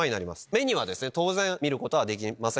目には当然見ることはできません。